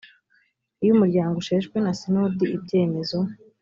iyo umuryango usheshwe na sinodi ibyemezo